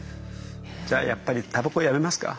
じゃあやっぱりタバコやめますか？